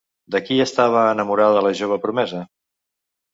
De qui estava enamorada la jove promesa?